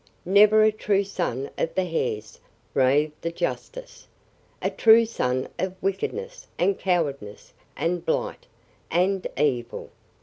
"Never a true son of the Hares," raved the justice. "A true son of wickedness, and cowardice, and blight, and evil.